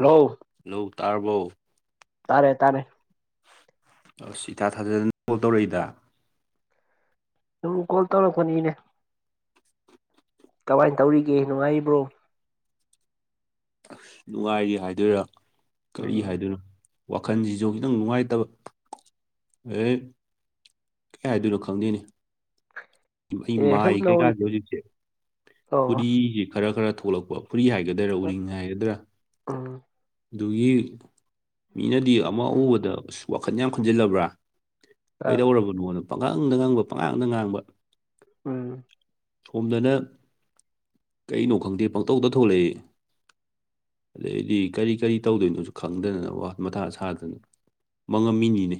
ꯍꯣ ꯅꯧ ꯇꯥꯔꯕꯣ ꯇꯥꯔꯦ ꯇꯥꯔꯦ ꯑ ꯏꯇꯥ ꯊꯥꯖꯗꯅ ꯇꯧꯔꯛꯏꯗ ꯅꯪ ꯀꯣꯜ ꯇꯧꯔꯛꯄꯅꯤꯅꯦ ꯀꯃꯥꯏꯅ ꯇꯧꯔꯤꯒꯦ ꯅꯨꯡꯉꯥꯏꯔꯤꯕ꯭ꯔꯣ ꯅꯨꯡꯉꯥꯏꯔꯤ ꯍꯥꯏꯗꯣꯏꯔꯥ ꯀꯔꯤ ꯎꯝ ꯍꯥꯏꯗꯣꯏꯅꯣ ꯋꯥꯈꯜꯁꯤꯁꯨ ꯈꯤꯇꯪ ꯅꯨꯡꯉꯥꯏꯇꯕ ꯑꯗꯩ ꯀꯩ ꯍꯥꯏꯗꯨꯅꯣ ꯈꯪꯗꯅꯤ ꯑꯩ ꯑꯦ ꯃꯥꯏ ꯁꯨꯝ ꯅꯧ ꯀꯩꯀꯥꯁꯦ ꯍꯧꯖꯤꯛꯁꯦ ꯑꯣ ꯐꯨꯔꯤꯁꯦ ꯈꯔ ꯈꯔ ꯊꯣꯛꯂꯛꯄ ꯐꯨꯔꯤ ꯍꯥꯏꯒꯗꯥ ꯗꯔ ꯎꯔꯤꯉ ꯍꯥꯏꯒꯗ꯭ꯔꯥ ꯎꯝ ꯑꯗꯨꯒꯤ ꯃꯤꯅꯗꯤ ꯑꯃ ꯎꯎꯕꯗ ꯋꯥꯈꯜ ꯌꯥꯝ ꯈꯟꯖꯤꯜꯂꯕ꯭ꯔꯥ ꯑꯪ ꯀꯩꯗꯧꯔꯕꯅꯣꯗ ꯄꯪꯈꯪꯗ ꯉꯪꯕ ꯄꯪꯉꯥꯡꯗ ꯉꯥꯡꯕ ꯎꯝ ꯁꯣꯝꯗꯅ ꯀꯩꯅꯣ ꯈꯪꯗꯦ ꯄꯪꯇꯧꯗ ꯊꯣꯛꯂꯛꯏ ꯑꯗꯗꯤ ꯀꯔꯤ ꯀꯔꯤ ꯇꯧꯗꯣꯏꯅꯣꯁꯨ ꯈꯪꯗꯗꯅ ꯋꯥ ꯃꯊꯥ ꯁꯥꯗꯅ ꯃꯥꯡꯉꯝꯃꯤꯅꯤꯅꯦ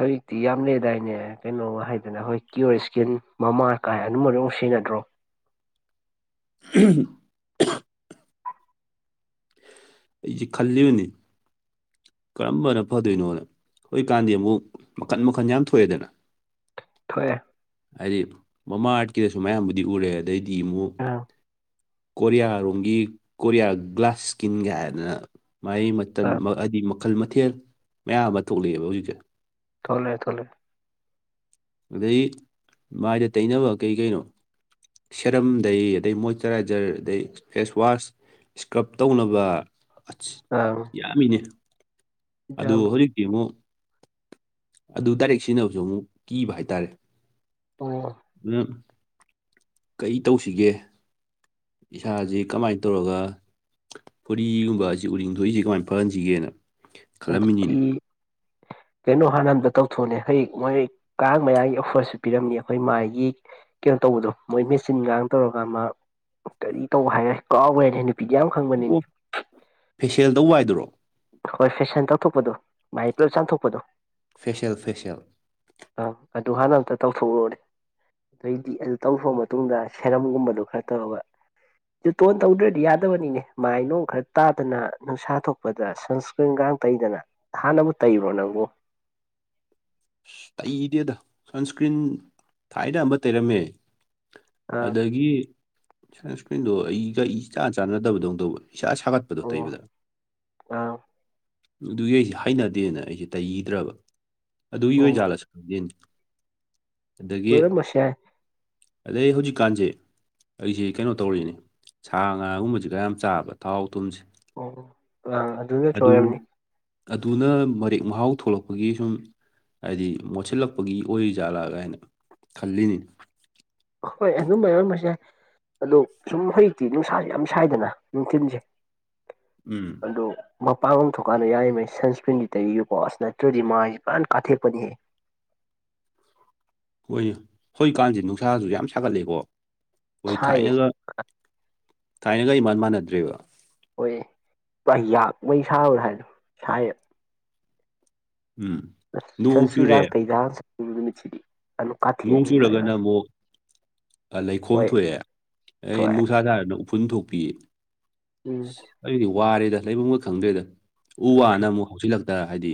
ꯍꯧꯖꯤꯛꯇꯤ ꯌꯥꯝ ꯂꯩꯔꯗꯥꯏꯅꯦ ꯀꯩꯅꯣ ꯍꯥꯏꯗꯅ ꯍꯣꯏ ꯀ꯭ ꯑꯔ ꯏꯁꯀꯦꯟ ꯃꯃꯥ ꯀꯥꯏ ꯑꯗꯨꯝꯕ ꯑꯗꯨꯝ ꯁꯦꯟꯅꯗ꯭ꯔꯣ ꯎ ꯑꯩꯁꯤ ꯈꯜꯂꯤꯕꯅꯤ ꯀꯔꯝꯕꯅ ꯐꯗꯣꯏꯅꯣꯅ ꯍꯧꯖꯤꯛꯀꯥꯟꯗꯤ ꯑꯃꯨꯛ ꯃꯈꯟ ꯃꯈꯟ ꯌꯥꯝ ꯊꯣꯛꯑꯦꯗꯅ ꯊꯣꯛꯑꯦ ꯍꯥꯏꯗꯤ ꯃꯃꯥ ꯑꯥꯔꯠꯀꯤꯗꯁꯨ ꯃꯌꯥꯝꯕꯨꯗꯤ ꯎꯔꯦ ꯑꯗꯩꯗꯤ ꯑꯃꯨꯛ ꯎꯝ ꯀꯣꯔꯤꯌꯥꯔꯣꯝꯒꯤ ꯀꯣꯔꯤꯌꯥ ꯒ꯭ꯂꯥꯁ ꯁ꯭ꯀꯤꯟꯒ ꯍꯥꯏꯗꯅ ꯃꯥꯏ ꯑꯪ ꯍꯥꯏꯗꯤ ꯃꯈꯜ ꯃꯊꯦꯜ ꯃꯌꯥꯝ ꯑꯃ ꯊꯣꯛꯂꯛꯑꯦꯕ ꯍꯧꯖꯤꯛꯁꯦ ꯊꯂꯦ ꯊꯂꯦ ꯑꯗꯩ ꯃꯥꯏꯗ ꯇꯩꯅꯕ ꯀꯩ ꯀꯩꯅꯣ ꯁꯦꯔꯝꯗꯩ ꯑꯗꯩ ꯃꯣꯏꯆꯔꯥꯏꯖꯔ ꯑꯗꯩ ꯐꯦꯁ ꯋꯥꯁ ꯏꯁꯀ꯭ꯔꯞ ꯇꯧꯅꯕ ꯑ ꯌꯥꯝꯃꯤꯅꯦ ꯑꯗꯨ ꯍꯧꯖꯤꯛꯇꯤ ꯑꯃꯨꯛ ꯑꯗꯨ ꯗꯥꯏꯔꯦꯛ ꯁꯤꯖꯤꯟꯅꯕꯁꯨ ꯑꯃꯨꯛ ꯀꯤꯕ ꯍꯥꯏꯇꯥꯔꯦ ꯑꯣ ꯑ ꯀꯩ ꯇꯧꯁꯤꯒꯦ ꯏꯁꯁꯤ ꯀꯃꯥꯏꯅ ꯇꯧꯔꯒ ꯐꯣꯔꯤꯒꯨꯝꯕꯕꯁꯤ ꯎꯔꯤꯡ ꯊꯣꯛꯏꯁꯤ ꯀꯃꯥꯏꯅ ꯐꯍꯟꯁꯤꯒꯦꯅ ꯈꯜꯂꯝꯃꯤꯅꯤꯅꯦ ꯑꯗꯨꯗꯤ ꯀꯩꯅꯣ ꯍꯥꯟ ꯍꯟꯗ ꯇꯧꯊꯣꯛꯅꯦ ꯍ ꯃꯣꯏ ꯀꯥꯡ ꯃꯌꯥꯒꯤ ꯑꯣꯐꯔꯁꯨ ꯄꯤꯔꯝꯅꯤ ꯑꯩꯈꯣꯏ ꯃꯥꯏꯒꯤ ꯀꯩꯅꯣ ꯇꯧꯕꯗꯣ ꯃꯣꯏ ꯃꯦꯆꯤꯟꯒ ꯇꯧꯔꯒꯥꯟ ꯃꯥ ꯀꯔꯤ ꯇꯧꯕ ꯍꯥꯏꯔꯦ ꯀꯥꯎꯕ꯭ꯔ ꯄꯤꯗꯤ ꯌꯥꯝ ꯈꯪꯕꯅꯤꯅꯤ ꯐꯦꯁꯤꯌꯦꯜꯗꯧ ꯋꯥꯏꯗꯔꯣ ꯍꯣꯏ ꯐꯦꯁꯟ ꯇꯧꯊꯣꯛꯄꯗꯣ ꯃꯥꯩ ꯄꯨꯂꯞ ꯆꯥꯝꯊꯣꯛꯄꯗꯣ ꯐꯦꯁꯤꯜ ꯐꯦꯁꯤꯦꯜ ꯑꯪ ꯑꯗꯨ ꯍꯥꯟꯅ ꯑ ꯑꯃꯇ ꯇꯧꯊꯣꯛꯎꯨꯔꯅꯦ ꯑꯗꯩꯗꯤ ꯑꯗꯨ ꯇꯧꯈ꯭ꯔꯕ ꯃꯇꯨꯡꯗ ꯁꯦꯔꯝꯒꯨꯝꯕꯗꯨꯣ ꯈꯔ ꯇꯧꯔꯒ ꯇꯣꯟ ꯇꯧꯗ꯭ꯔꯗꯤ ꯌꯥꯗꯕꯅꯤꯅꯦ ꯃꯥꯏ ꯅꯨꯡ ꯈꯔ ꯇꯥꯗꯅ ꯅꯨꯡꯁꯥ ꯊꯣꯛꯄꯗ ꯑꯁ ꯁꯟꯁꯀ꯭ꯔꯤꯟ ꯀꯥꯡ ꯇꯩꯗꯅ ꯍꯥꯟꯅꯕꯨ ꯇꯩꯕ꯭ꯔꯣ ꯅꯪꯕꯨ ꯑꯁ ꯇꯩꯗꯦꯗ ꯁꯟꯁꯀ꯭ꯔꯤꯟ ꯊꯥꯏꯅ ꯑꯃꯝꯕ ꯇꯩꯔꯝꯃꯦ ꯑꯥ ꯑꯗꯒꯤ ꯁꯟꯁꯀ꯭ꯔꯤꯟꯗꯣ ꯑꯩꯒ ꯏ ꯆꯥꯟ ꯆꯥꯟꯅꯗꯕꯗꯧꯅ ꯇꯧꯕꯅꯦ ꯏꯁꯥ ꯁꯥꯒꯠꯄꯗꯣ ꯑꯣ ꯇꯩꯕꯗ ꯑꯥ ꯑꯗꯨꯒꯤ ꯑꯩꯁꯦ ꯍꯥꯏꯅꯗꯦꯅ ꯑꯩꯁꯦ ꯇꯩꯈꯤꯗ꯭ꯔꯕ ꯑꯗꯨꯒꯤ ꯑꯣ ꯌꯦꯟ ꯄꯣꯣꯟ ꯃꯁꯦ ꯑꯗꯩ ꯍꯧꯖꯤꯛꯀꯥꯟꯁꯦ ꯑꯩꯁꯤ ꯀꯩꯅꯣ ꯇꯧꯔꯤꯅꯦ ꯁꯥ ꯉꯥꯒꯨꯝꯕꯕꯁꯤ ꯈꯔ ꯌꯥꯝ ꯆꯥꯕ ꯊꯥꯎ ꯊꯨꯝꯁꯦ ꯑꯣ ꯑ ꯑꯗꯨ ꯑꯗꯨꯅ ꯃꯔꯦꯛ ꯃꯍꯥꯎ ꯊꯣꯛꯂꯛꯄꯒꯤ ꯁꯨꯝ ꯍꯥꯏꯗꯤ ꯃꯣꯠꯁꯤꯜꯂꯛꯄꯒꯤ ꯑꯣꯏꯔꯤ ꯖꯥꯠꯂꯥ ꯀꯥꯏꯅ ꯈꯜꯂꯤꯅꯤꯅꯦ ꯍꯣꯏ ꯑꯗꯨꯝꯕ ꯌꯥꯎꯔꯝꯕꯁꯦ ꯑꯗꯣ ꯁꯨꯝ ꯍꯧꯖꯤꯛꯇꯤ ꯅꯨꯡꯁꯥꯁꯦ ꯌꯥꯝ ꯁꯥꯏꯗꯅ ꯅꯨꯡꯊꯤꯤꯟꯁꯦ ꯎꯝ ꯑꯗꯨꯣ ꯃꯄꯥꯡ ꯑꯃ ꯊꯣꯛꯀꯥꯟꯗ ꯌꯥꯔꯤꯉꯩ ꯁꯟꯁꯀ꯭ꯔꯤꯟꯗꯤ ꯇꯧꯔꯤ ꯌ ꯄꯁ ꯅꯠꯇ꯭ꯔꯗꯤ ꯃꯥꯥꯏꯁꯦ ꯄꯨꯔꯥꯟ ꯀꯥꯊꯦꯛꯄꯅꯤꯍꯦ ꯍꯣꯏꯅꯦ ꯍꯧꯖꯤꯛꯀꯥꯟꯁꯤꯦ ꯅꯨꯡꯁꯥꯁꯨ ꯌꯥꯝ ꯁꯥꯒꯠꯂꯦꯀꯣ ꯑꯩꯣꯏ ꯁꯥꯏꯌꯦ ꯊꯥꯏꯅꯒ ꯊꯥꯏꯅꯒ ꯑꯩ ꯏꯥꯟ ꯃꯥꯟꯅꯗ꯭ꯔꯦꯕ ꯍꯣꯏ ꯄꯨꯔꯥ ꯌꯥꯛꯕꯩ ꯁꯥꯕ꯭ꯔꯥ ꯍꯥꯏꯗꯣ ꯁꯥꯏꯌꯦꯕ ꯎꯝ ꯅꯣꯡ ꯆꯨꯔꯦ ꯁꯁ ꯄꯩꯗꯥ ꯃꯆ ꯅꯣꯡ ꯆꯨꯔꯒꯅ ꯑꯃꯨꯛ ꯂꯩꯈꯣꯝ ꯍꯣꯏ ꯊꯣꯛꯑꯦ ꯑꯩ ꯊꯣꯛꯑꯦ ꯅꯨꯡꯁꯥ ꯊꯥꯔꯅ ꯎꯐꯨꯟ ꯊꯣꯛꯄꯤꯌꯦ ꯎꯝ ꯑꯩꯗꯤ ꯋꯥꯔꯦꯗ ꯂꯩꯐꯝꯨꯡꯒ ꯈꯪꯗ꯭ꯔꯦꯗ ꯎ ꯋꯥꯅ ꯈꯪꯗ꯭ꯔꯦ ꯑꯃꯨꯛ ꯍꯧꯥꯎꯁꯤꯜꯂꯛꯇ ꯍꯥꯏꯗꯤ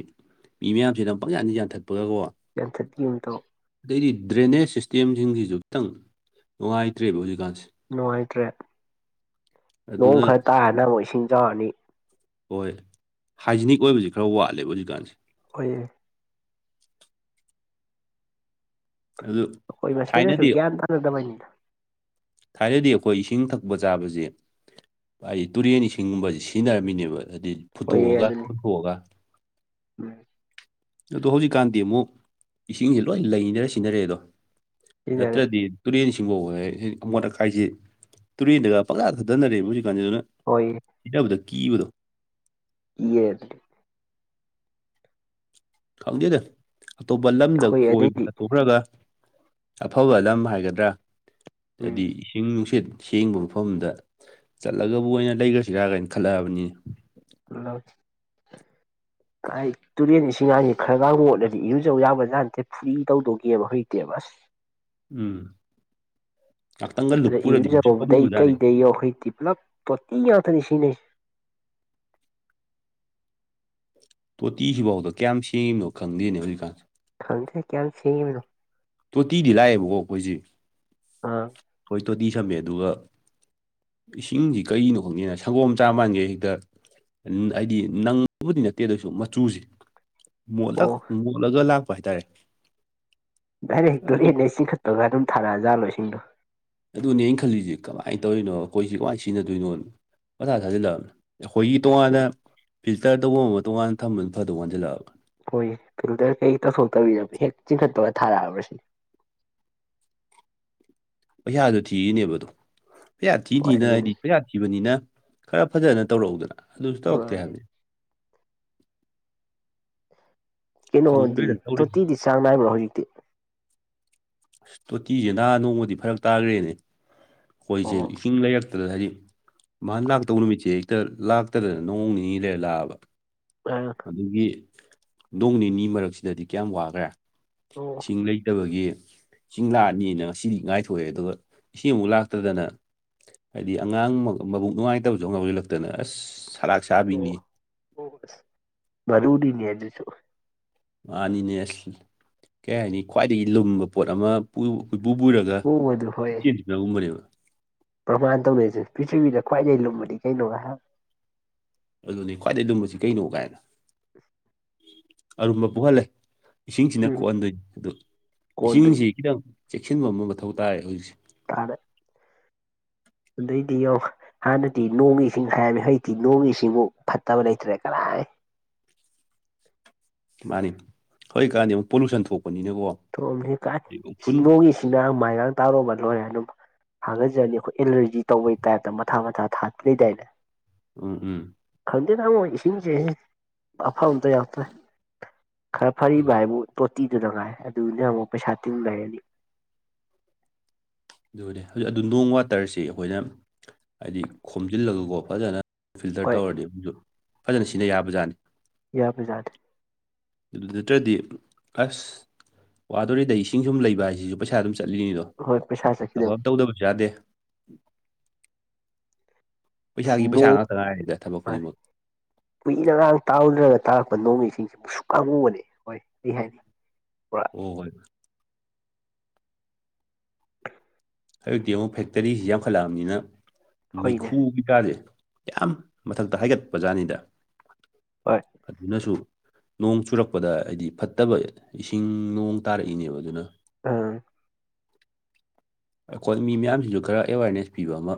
ꯃꯤ ꯃꯌꯥꯝꯁꯦ ꯑꯗꯨ ꯄꯪꯁꯥꯟ ꯖꯟ ꯊꯠꯄꯒꯀꯣ ꯌꯥꯟꯊꯠꯄꯤ ꯑꯃꯨꯇꯥꯎ ꯑꯗꯩꯗꯤ ꯗ꯭ꯔꯦꯅꯦꯖ ꯁꯤꯁꯇꯦꯝꯁꯤꯡꯁꯤꯁꯨ ꯈꯤꯇꯪ ꯅꯨꯡꯉꯥꯏꯇ꯭ꯔꯦꯕ ꯍꯧꯖꯤꯛꯀꯥꯟꯁꯦ ꯅꯨꯡꯉꯥꯏꯇ꯭ꯔꯦ ꯅꯣꯡ ꯑꯗꯨꯅ ꯈꯔ ꯇꯥꯔꯅ ꯑꯃꯨꯛ ꯏꯁꯤꯡ ꯆꯥꯎꯔꯅꯤ ꯍꯣꯏ ꯍꯥꯏꯖꯤꯅꯤꯛ ꯑꯣꯏꯕꯁꯤ ꯈꯔ ꯋꯥꯠꯂꯦꯕ ꯍꯧꯖꯤꯛꯀꯥꯟꯁꯦ ꯑꯩꯈꯣꯏ ꯑꯗꯨ ꯍꯣꯏ ꯃꯁꯦꯟꯗꯁꯨ ꯊꯥꯏꯅꯗꯤ ꯒ꯭ꯌꯥꯟ ꯇꯥꯅꯗꯕꯅꯤꯅ ꯊꯥꯏꯅꯗꯤ ꯑꯩꯈꯣꯏ ꯏꯁꯤꯡ ꯊꯛꯄ ꯆꯥꯕꯁꯦ ꯍꯥꯏꯗꯤ ꯇꯨꯔꯦꯟ ꯏꯁꯤꯡꯒꯨꯝꯕꯕꯁꯤ ꯁꯤꯖꯤꯟꯅꯔꯝꯃꯤꯅꯦꯕ ꯑꯗꯨꯗꯤ ꯍꯣꯏꯌꯦ ꯐꯨꯠꯇꯣꯛꯑꯒ ꯑꯗꯨꯅꯤ ꯐꯨꯊꯣꯛꯑꯒ ꯎꯝ ꯑꯗꯣ ꯍꯧꯖꯤꯛꯀꯥꯟꯗꯤ ꯑꯃꯨꯛ ꯏꯁꯤꯡꯁꯦ ꯂꯣꯏ ꯂꯩꯅꯔ ꯁꯤꯟꯅꯔꯛꯑꯦ ꯑꯗꯣ ꯁꯤꯖꯤꯟꯅꯔꯦ ꯅꯠꯇ꯭ꯔꯗꯤ ꯇꯨꯔꯦꯟ ꯁꯤꯡꯐꯥꯎ ꯑꯃꯣꯠ ꯑꯀꯥꯏꯁꯤꯦ ꯇꯨꯔꯦꯟꯗꯒ ꯄꯪꯂꯥꯗ ꯈꯊꯅꯔꯦꯕ ꯍꯧꯖꯤꯛ ꯀꯥꯟꯁꯤ ꯑꯗꯨꯅ ꯍꯣꯏ ꯏꯗꯕꯨꯕꯗꯣ ꯀꯕꯗꯣ ꯌꯦꯠ ꯈꯪꯗꯦꯗ ꯑꯇꯣꯞꯄ ꯂꯝꯗ ꯍꯣꯏ ꯀꯣꯏꯕ ꯑꯗꯩꯗꯤ ꯆꯠꯊꯣꯛꯈ꯭ꯔꯒ ꯑꯐꯕ ꯂꯝ ꯍꯥꯏꯒꯗ꯭ꯔꯥ ꯎꯝ ꯍꯥꯏꯗꯤ ꯏꯪ ꯅꯨꯡꯁꯤꯠ ꯁꯦꯡꯕ ꯃꯐꯝꯗ ꯆꯠꯂꯒꯕꯨ ꯑꯣꯏꯅ ꯂꯩꯈ꯭ꯔꯁꯤꯔꯥ ꯀꯥꯏꯅ ꯈꯜꯂꯛꯑꯕꯅꯤ ꯍꯜꯂꯣ ꯀ ꯇꯨꯔꯦꯟ ꯏꯁꯤꯡꯅꯥꯥꯡꯁꯤ ꯈꯔꯒ ꯃꯣꯠꯂꯗꯤ ꯏꯔꯨ ꯆꯧ ꯌꯥꯝꯕ ꯖꯥꯠꯅꯠꯇꯦ ꯐꯨꯔꯤ ꯇꯧꯗꯧꯒꯦꯕ ꯍꯧꯖꯤꯛꯇꯤ ꯑꯕꯁ ꯎꯝ ꯉꯥꯛꯇꯪꯒ ꯑꯗ ꯂꯨꯞꯄꯨꯔꯗꯤ ꯃꯨꯁꯨꯛꯀ ꯏꯔꯨꯖꯕꯧꯕꯗꯩ ꯃꯨꯕꯖꯥꯠꯅꯤ ꯀꯩꯗꯩꯈꯩꯛꯇꯤ ꯄꯨꯂꯞ ꯇꯣꯇꯤ ꯉꯥꯛꯇꯅꯤ ꯁꯤꯖꯤꯟꯅꯩꯁꯦ ꯇꯣꯇꯤꯁꯤꯐꯥꯎꯗ ꯀꯌꯥꯝ ꯁꯦꯡꯉꯤꯅꯣ ꯈꯪꯗꯦꯅꯦ ꯍꯧꯖꯤꯛꯀꯥꯟꯁꯦ ꯈꯪꯗꯦ ꯀꯌꯥ ꯁꯤꯅꯣ ꯇꯣꯇꯤꯗꯤ ꯂꯥꯛꯑꯦꯕꯀꯣ ꯑꯩꯈꯣꯏꯁꯤꯦ ꯎ ꯇꯣꯇꯤ ꯁꯝꯃꯦ ꯑꯗꯨꯒ ꯏꯁꯤꯡꯁꯤ ꯀꯔꯤꯒꯤꯅꯣ ꯈꯪꯗꯦꯅ ꯁꯪꯒꯣꯝ ꯆꯥ ꯃꯥꯟꯒꯦ ꯍꯦꯛꯇ ꯍꯥꯏꯗꯤ ꯅꯪꯉꯕꯨꯗꯤ ꯅꯠꯇꯦ ꯑꯗꯨ ꯑꯣꯏꯁꯨ ꯃꯆꯨꯁꯦ ꯃꯣꯠꯂ ꯑꯣ ꯃꯣꯠꯂꯒ ꯂꯥꯛꯄ ꯍꯥꯏꯇꯥꯔꯦ ꯗꯥꯏꯔꯦꯛꯇꯣ ꯂꯦ ꯂꯩ ꯆꯤꯡꯈꯠꯄꯒ ꯑꯗꯨꯝ ꯊꯥꯔꯛꯑꯖꯥꯠꯂꯣ ꯏꯁꯤꯡꯗꯣ ꯑꯗꯨꯅꯦ ꯑꯩꯅ ꯈꯜꯂꯤꯁꯤꯦ ꯀꯃꯥꯏꯅ ꯇꯧꯔꯤꯅꯣ ꯑꯩꯈꯣꯏꯁꯤ ꯀꯃꯥꯏꯅ ꯁꯤꯖꯤꯟꯅꯗꯣꯏꯅꯣꯅꯣ ꯃꯊꯥ ꯊꯥꯖꯤꯜꯂꯛꯑꯕꯅꯦ ꯑꯩꯈꯣꯏꯒꯤ ꯇꯣꯉꯥꯟꯅ ꯐꯤꯜꯇꯔ ꯇꯧꯕ ꯑꯃ ꯇꯣꯉꯥꯟꯅ ꯊꯝꯕꯅ ꯐꯗꯧ ꯋꯥꯟꯖꯜꯂꯛꯑꯒ ꯍꯣꯏ ꯐꯤꯜꯇꯔ ꯀꯩ ꯇꯧꯊꯣꯛꯇꯕꯤꯅꯣ ꯍꯦꯛ ꯆꯤꯡꯈꯠꯄꯒ ꯊꯥꯔꯛꯑꯕ꯭ꯔ ꯁꯤ ꯄꯩꯁꯥꯗꯨꯣ ꯊꯤꯔꯤꯅꯦꯕ ꯑꯣ ꯄꯩꯁꯥ ꯊꯤ ꯍꯣꯏ ꯊꯤꯅ ꯍꯥꯏꯗꯤ ꯑꯗꯨꯅꯤ ꯄꯩꯁꯥ ꯁꯤꯕꯅꯤꯅ ꯈꯔ ꯐꯖꯅ ꯇꯧꯔꯛꯎꯗꯅ ꯑꯗꯨꯁꯨ ꯇꯧꯔꯛꯇꯦ ꯇꯧꯔꯛꯑꯗꯤ ꯍꯥꯏꯕꯅꯤ ꯀꯩꯅꯣꯗꯤ ꯈꯪꯗ꯭ꯔꯦꯗ ꯇꯧꯔꯤꯁꯦ ꯇꯣꯇꯤꯗꯤ ꯆꯥꯡ ꯅꯥꯏꯕ꯭ꯔꯥ ꯍꯧꯖꯤꯛꯇꯤ ꯑꯁ ꯇꯣꯇꯤꯁꯦ ꯅꯍꯥ ꯅꯣꯡꯃꯗꯤ ꯐꯔꯛ ꯇꯥꯈ꯭ꯔꯦꯅꯦ ꯑꯩꯈꯣꯏꯁꯦ ꯑꯣ ꯏꯁꯤꯡ ꯂꯩꯔꯛ ꯍꯥꯏꯗꯤ ꯃꯥꯅ ꯂꯥꯛꯇꯧꯕ ꯅꯨꯃꯤꯠꯁꯦ ꯍꯦꯛꯇ ꯂꯥꯛꯇꯗꯅ ꯅꯣꯡ ꯅꯤꯅꯤ ꯂꯩꯔ ꯂꯥꯛꯑꯕ ꯐ [unintelligible] ꯑꯗꯨꯒꯤ ꯅꯣꯡ ꯅꯤꯅꯤ ꯃꯔꯛꯁꯤꯗꯗꯤ ꯀꯌꯥꯝ ꯋꯥꯈ꯭ꯔꯦ ꯑꯣ ꯏꯁꯤꯡ ꯂꯩꯇꯕꯒꯤ ꯆꯤꯡ ꯂꯥꯛꯑꯅꯤꯅ ꯉꯁꯤꯗꯤ ꯉꯥꯏꯊꯣꯛꯑꯦ ꯑꯗꯨꯒ ꯏꯁꯤꯡ ꯑꯃꯨꯛ ꯂꯥꯛꯇꯗꯅ ꯍꯥꯏꯗꯤ ꯑꯉꯥꯡ ꯃꯕꯨꯛ ꯅꯨꯡꯉꯥꯏꯇꯕꯁꯨ ꯑꯥꯃꯨꯛ ꯌꯥꯎꯖꯤꯂꯛꯇꯅꯥ ꯑꯁ ꯁꯂꯥꯛ ꯑꯣ ꯁꯥꯕꯤꯅꯤ ꯑꯣ ꯑꯁ ꯋꯥꯔꯤꯗꯤꯅ ꯑꯗꯨꯁꯨ ꯃꯥꯅꯤꯅꯦꯁ ꯀꯩ ꯍꯥꯏꯅꯤ ꯈ꯭ꯋꯥꯏꯗꯒꯤ ꯂꯨꯝꯕ ꯄꯣꯠ ꯑꯃ ꯄꯨ ꯀꯣꯏꯄꯨ ꯄꯨꯔꯥꯒ ꯍꯣꯡꯕꯗꯨ ꯍꯣꯏ ꯏꯆꯦꯟꯁꯤꯅꯒꯨꯝꯕꯅꯦꯕ ꯄ꯭ꯔꯃꯥꯟ ꯇꯧꯅꯔꯤꯁꯦ ꯄ꯭ꯔꯤꯊꯤꯕꯤꯗ ꯈ꯭ꯋꯥꯏꯗꯑꯩ ꯂꯨꯝꯃꯗꯤ ꯀꯩꯅꯣ ꯍꯥꯏꯍ ꯑꯗꯨꯅꯤ ꯈ꯭ꯋꯥꯏꯗꯑꯩ ꯂꯨꯝꯕꯁꯤ ꯀꯩꯅꯣ ꯀꯥꯏꯅ ꯎ [unintelligible] ꯑꯔꯨꯝꯕ ꯄꯣꯛꯍꯜꯂꯦ ꯏꯁꯤꯡꯁꯤꯅ ꯎꯝ ꯀꯣꯛꯍꯟꯗꯣꯏꯅꯤ ꯑꯗꯨ ꯀꯣꯟꯗꯣꯏꯅꯤ ꯏꯁꯤꯡꯁꯤ ꯈꯤꯇꯪ ꯆꯦꯛꯁꯤꯟꯕ ꯑꯃ ꯃꯊꯧ ꯇꯥꯔꯦ ꯍꯧꯖꯤꯛꯁꯦ ꯇꯗꯦ ꯑꯗꯩꯏꯗꯤꯌꯣ ꯍꯥꯟꯅꯗꯤ ꯅꯣꯡꯒꯤ ꯏꯁꯤꯡ ꯍꯥꯏꯔꯃꯤ ꯍꯧꯖꯤꯛꯇꯤ ꯅꯣꯡꯒꯤ ꯏꯁꯤꯡꯃꯨꯛ ꯐꯠꯇꯕ ꯂꯩꯇ꯭ꯔꯦ ꯀꯔꯥꯏ ꯃꯥꯅꯤ ꯍꯧꯒꯤꯛꯀꯥꯟꯗꯤ ꯑꯃꯨꯛ ꯄꯣꯂꯨꯁꯟ ꯊꯣꯛꯄꯅꯤꯅꯀꯣ ꯊꯣꯡꯑꯝꯅꯤꯍꯦ ꯀꯥꯏ ꯍꯥꯏꯗꯤ ꯎꯐꯨꯟ ꯅꯣꯡꯒꯤ ꯏꯁꯤꯡꯅ ꯃꯥꯏꯒꯥꯡ ꯇꯥꯔꯨꯕ ꯂꯣꯏꯔꯦ ꯑꯗꯨꯝ ꯊꯥꯒꯠꯆꯔꯅꯤ ꯑꯩꯈꯣꯏ ꯑꯦꯂꯔꯖꯤ ꯇꯧꯕꯒꯤ ꯇꯥꯏꯞꯇ ꯃꯊꯥ ꯃꯊꯥ ꯊꯥ ꯂꯩꯗꯥꯏꯅꯦ ꯎꯝ ꯎꯝ ꯈꯪꯗꯦꯗꯥ ꯑꯥꯃꯣ ꯏꯁꯤꯡꯁꯦ ꯑꯐꯥꯕꯥ ꯑꯝꯇꯥ ꯌꯥꯎꯇꯔꯦ ꯈꯔ ꯍꯥꯏꯗꯤ ꯐꯔꯤꯕ ꯍꯥꯏꯕꯨ ꯇꯣꯇꯤꯗꯨꯅꯉꯥꯏ ꯑꯗꯨꯅꯦ ꯑꯃꯨꯛ ꯄꯩꯁꯥ ꯇꯤꯟ ꯂꯩꯔꯅꯤ ꯑꯗꯨꯅꯦ ꯍꯧꯖꯤꯛ ꯑꯗꯨ ꯅꯣꯡ ꯋꯥꯇꯔꯁꯤ ꯑꯩꯈꯣꯏꯅ ꯍꯥꯏꯗꯤ ꯈꯣꯝꯖꯤꯜꯂꯒꯀꯣ ꯐꯖꯅ ꯐꯤꯜꯇꯔ ꯍꯣꯏ ꯇꯧꯔꯗꯤ ꯑꯃꯨꯛꯁꯨ ꯐꯖꯅ ꯁꯤꯖꯤꯟꯅ ꯌꯥꯕꯖꯥꯠꯅꯤ ꯌꯥꯕ ꯖꯥꯠꯅꯤ ꯑꯗꯨ ꯅꯠꯇ꯭ꯔꯗꯤ ꯑꯁ ꯋꯥꯗꯣꯔꯤꯗ ꯏꯁꯤꯡ ꯁꯨꯝ ꯂꯩꯕ ꯍꯥꯏꯁꯤꯁꯨ ꯄꯩꯁꯥ ꯑꯗꯨꯝ ꯆꯠꯂꯤꯅꯤꯗꯣ ꯍꯣꯏ ꯄꯩꯁꯥ ꯊꯕꯛ ꯆꯠꯈꯤꯗꯣꯏꯅꯤ ꯑꯃꯥ ꯇꯧꯗꯕꯁꯨ ꯌꯥꯗꯦ ꯄꯩꯁꯥꯒꯤ ꯄꯩꯁꯥ ꯅꯣꯡ ꯉꯥꯛꯇ ꯉꯥꯏꯔꯦꯗꯥ ꯊꯕꯛ ꯈꯨꯗꯤꯡꯃꯛ ꯀꯨꯏꯅꯒꯥꯡ ꯇꯥꯔꯨꯗ꯭ꯔꯒ ꯇꯥꯔꯛꯄ ꯅꯣꯡꯃ ꯏꯁꯤꯁꯦ ꯃꯨꯁꯨꯛꯀꯥ ꯃꯨꯕꯅꯦ ꯍꯣꯏ ꯑꯩ ꯍꯥꯏꯅ ꯑꯣ ꯌꯥꯏꯕꯥ [unintelligible] ꯍꯧꯖꯤꯛꯇꯤ ꯑꯃꯨꯛ ꯐꯦꯛꯇꯔꯤꯁꯤ ꯌꯥꯝꯈꯠꯂꯛꯑꯕꯅꯤꯅ ꯍꯣꯏꯅꯦ ꯃꯩꯈꯨ ꯀꯩ ꯀꯥꯁꯦ ꯌꯥꯝ ꯃꯊꯛꯇ ꯍꯥꯏꯒꯠꯄꯖꯥꯠꯅꯤꯗ ꯍꯣꯏ ꯑꯗꯨꯅꯁꯨ ꯅꯣꯡ ꯆꯨꯔꯛꯄꯗ ꯍꯥꯏꯗꯤ ꯐꯠꯇꯕ ꯏꯁꯤꯡ ꯅꯣꯡ ꯇꯥꯔꯛꯏꯅꯦꯕ ꯑꯗꯨꯅ ꯑꯥ ꯑꯩꯈꯣꯏ ꯃꯤ ꯃꯌꯥꯝꯁꯤꯅ ꯈꯔ ꯑꯦꯋꯥꯔꯅꯦꯁ ꯄꯤꯕ ꯑꯃ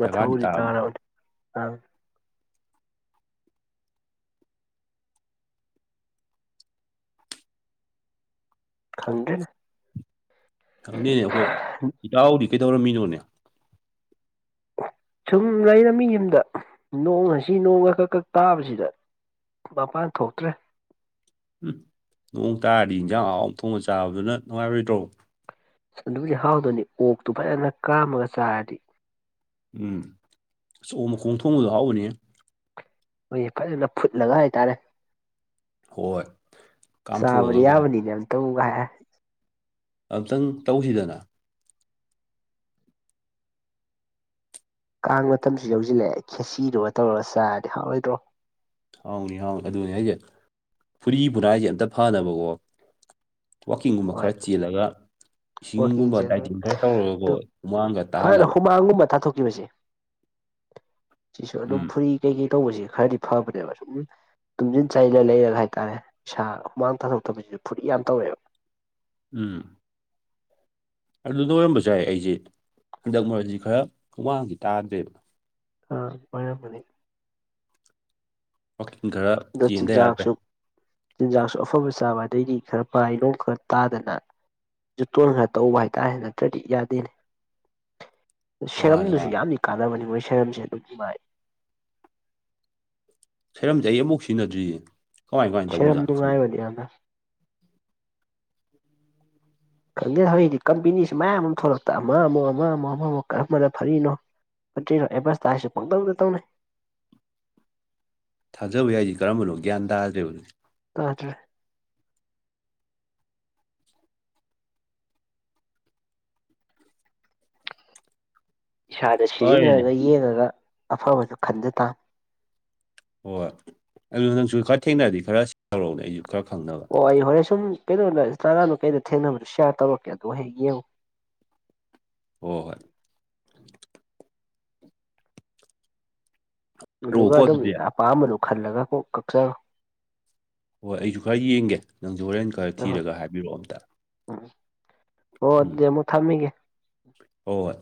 ꯗꯔꯀꯥꯔꯗꯤ ꯇꯥꯕꯗ ꯇꯥꯔꯕꯅꯤ ꯌꯥꯝ ꯈꯪꯗꯦ ꯈꯪꯗꯦꯅꯦ ꯑꯩꯈꯣꯏ ꯏꯇꯥꯎꯗꯤ ꯀꯩꯗꯧꯔꯝꯃꯤꯅꯣꯅꯦ ꯁꯨꯝ ꯂꯩꯔꯝ ꯃꯤ ꯌꯨꯝꯗ ꯅꯣꯡ ꯉꯁꯤ ꯅꯣꯡꯒ ꯀꯛ ꯀꯛ ꯇꯥꯕꯁꯤꯗ ꯃꯄꯥꯟ ꯊꯣꯛꯇ꯭ꯔꯦ ꯎꯝ ꯅꯣꯡ ꯇꯥꯔꯗꯤ ꯏꯟꯖꯥꯡ ꯑꯍꯥꯎ ꯊꯣꯡꯉ ꯆꯥꯕꯗꯨꯅ ꯅꯨꯡꯉꯥꯏꯔꯣꯏꯗ꯭ꯔꯣ ꯑꯗꯨꯕꯨꯗꯤ ꯍꯥꯎꯗꯨꯅꯤ ꯑꯣꯛꯇꯨ ꯐꯖꯅ ꯀꯥꯝꯃꯒ ꯆꯥꯔꯗꯤ ꯎꯝ ꯑꯁ ꯑꯣꯛ ꯃꯈꯣꯡ ꯊꯣꯡꯕꯗꯣ ꯍꯥꯎꯕꯅꯤꯍꯦ ꯍꯣꯏꯌꯦ ꯐꯖꯅ ꯐꯨꯠꯂꯒ ꯍꯥꯏꯇꯥꯔꯦ ꯍꯣꯏ ꯆꯥꯕꯗꯤ ꯀꯥꯝꯊꯣꯛꯑꯒꯀꯣ ꯌꯥꯕꯅꯤꯅꯦ ꯑꯇꯕꯨꯒ ꯍꯥꯏꯔꯥ ꯑꯝꯇꯪ ꯇꯧꯁꯤꯗꯅ ꯀꯥꯡ ꯃꯇꯝꯁꯨ ꯌꯧꯁꯤꯜꯂꯛꯑꯦ ꯈꯦꯆꯤꯗꯨꯒ ꯇꯧꯔꯒ ꯆꯥꯔꯗꯤ ꯍꯥꯎꯔꯣꯏꯗ꯭ꯔꯣ ꯍꯥꯎꯅꯤ ꯍꯥꯎꯅꯤ ꯑꯗꯨꯅꯤ ꯍꯥꯏꯁꯦ ꯐꯨꯔꯤ ꯐꯨꯅꯥꯏꯁꯤ ꯑꯝꯇ ꯐꯅꯕꯀꯣ ꯋꯥꯛꯀꯤꯡꯒꯨꯝꯕ ꯍꯣꯏ ꯈꯔ ꯆꯦꯜꯂꯒ ꯋꯥꯛꯀꯤꯡ ꯏꯁꯤꯡꯒꯨꯝꯕ ꯆꯦꯟꯕ ꯗꯥꯏꯇꯤꯡ ꯈꯔ ꯇꯧꯔꯒꯀꯣ ꯍꯨꯃꯥꯡꯒ ꯇꯥꯍꯜꯂꯕ ꯃꯥꯡꯒꯨꯝꯕ ꯊꯥꯊꯣꯛꯈꯤꯕꯁꯦ ꯁꯤꯁꯨ ꯑꯗꯨꯝ ꯎꯝ ꯐꯨꯔꯤ ꯀꯩꯀꯩ ꯇꯧꯕꯁꯤ ꯈꯔꯗꯤ ꯐꯕꯅꯦꯕ ꯁꯨꯝ ꯇꯨꯝꯁꯤꯟ ꯆꯥꯏꯜꯂ ꯂꯩꯔꯒ ꯍꯥꯏꯇꯥꯔꯦ ꯏꯁꯩꯁꯥ ꯍꯨꯃꯥꯡ ꯊꯥꯊꯣꯛꯇꯕꯁꯤꯁꯨ ꯐꯨꯔꯤꯠ ꯌꯥꯝ ꯇꯧꯌꯦꯕ ꯎꯝ ꯑꯗꯨ ꯂꯣꯏꯔꯝꯕꯁꯨ ꯌꯥꯏ ꯑꯩꯁꯦ ꯍꯟꯗꯛ ꯃꯔꯛꯁꯤ ꯈꯔ ꯈꯣꯡꯃꯥꯡꯗꯤ ꯇꯥꯗ꯭ꯔꯦꯕ ꯑ ꯑꯣꯏꯔꯝ ꯒꯅꯤ ꯋꯥꯀꯤꯡꯒꯔ ꯑꯗꯣ ꯆꯤꯟꯖꯥꯛꯁꯨ ꯆꯤꯟꯖꯥꯛꯁꯨ ꯑꯐꯕ ꯆꯥꯕ ꯑꯗꯩꯗꯤ ꯈꯔ ꯄꯥꯏꯂꯅꯨꯡ ꯈꯔ ꯇꯥꯗꯅ ꯖꯨꯇꯣꯟ ꯈꯔ ꯇꯧꯕ ꯍꯥꯏꯇꯥꯔꯦ ꯅꯠꯇ꯭ꯔꯗꯤ ꯌꯥꯗꯦꯅꯦ ꯃꯥꯅꯦ ꯃꯥꯅꯦ ꯁꯦꯔꯝꯗꯨꯁꯨ ꯌꯥꯝꯅ ꯀꯥꯟꯅꯕꯅꯤ ꯃꯣꯏ ꯁꯦꯔꯝꯁꯦ ꯑꯗꯨꯝ ꯅꯨꯡꯉꯥꯏ ꯁꯩꯔꯝꯗꯤ ꯑꯩ ꯑꯃꯨꯛ ꯁꯤꯟꯅꯗ꯭ꯔꯤꯁꯦ ꯀꯃꯥꯏ ꯀꯃꯥꯏꯅ ꯁꯦꯔꯝ ꯇꯧꯕꯖꯥꯠ ꯈꯪ ꯅꯨꯡꯉꯥꯏꯕꯅꯤ ꯌꯥꯝꯅ ꯈꯪꯗꯦ ꯍꯧꯖꯤꯛꯗꯤ ꯀꯝꯄꯦꯅꯤꯁꯤ ꯃꯌꯥꯝ ꯑꯃ ꯊꯣꯛꯂꯛꯇ ꯑꯃ ꯑꯃꯨꯛ ꯑꯃ ꯑꯃꯨꯛ ꯑꯃꯃꯨꯛ ꯀꯔꯝꯕꯅ ꯐꯔꯤꯅꯣ ꯐꯠꯇꯔꯣ ꯑꯦꯕꯁ ꯇꯥꯏꯁꯨ ꯄꯪꯗꯧꯗ ꯇꯧꯅꯦ ꯊꯥꯖꯕ ꯌꯥꯏꯗꯤ ꯀꯔꯝꯕꯅ ꯒ꯭ꯌꯥꯟ ꯇꯥꯗ꯭ꯔꯕ ꯑꯗꯨꯗꯤ ꯇꯥꯗꯔꯦ ꯏꯁꯥꯗ ꯍꯣꯏꯅꯦ ꯁꯤꯖꯤꯟꯅꯔꯒ ꯌꯦꯡꯉꯒ ꯑꯐꯕꯗꯨ ꯈꯟꯖ ꯇꯥꯃꯤ ꯍꯣꯏ ꯑꯗꯨ ꯅꯪꯁꯨ ꯈꯔ ꯊꯦꯡꯅꯔꯗꯤ ꯈꯔ ꯇꯧꯔꯛꯎꯅꯦ ꯑꯩꯁꯨ ꯈꯔ ꯈꯪꯅꯕ ꯍ ꯑꯩ ꯍꯣꯔꯦꯟ ꯁꯨꯝ ꯀꯩꯅꯦꯗ ꯏꯟꯇꯥꯒ꯭ꯔꯥꯝꯗ ꯀꯩꯗ ꯊꯦꯡꯅꯕꯗꯣꯌꯥꯔ ꯇꯧꯛꯀꯦ ꯑꯗꯨꯍꯦꯛ ꯌꯦꯡꯉꯨ ꯍꯣ ꯍꯣꯏ ꯑꯗꯨꯗꯨꯒ ꯍꯥꯏꯔꯛꯑꯣꯀꯣ ꯑꯗꯨꯝ ꯑꯗꯨꯗꯤ ꯑꯄꯥꯝꯕꯗꯨ ꯈꯜꯂꯒ ꯀꯣꯛ ꯀꯛꯆꯔꯣ ꯍꯣꯏ ꯑꯩꯁꯨ ꯈꯔ ꯌꯦꯡꯒꯦ ꯅꯪꯁꯨ ꯍꯣꯔꯦꯟ ꯈꯔ ꯍꯣꯏ ꯍꯣꯏ ꯊꯤꯔꯒ ꯍꯥꯏꯕꯤꯔꯛꯑꯣ ꯑꯝꯇ ꯎꯝ ꯍꯣꯏ ꯑꯗꯨ ꯑꯃꯨꯛ ꯊꯝꯃꯤꯒꯦ ꯍꯣ ꯍꯣꯢ